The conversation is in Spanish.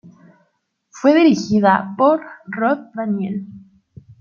Fue dirigida por Rod Daniel.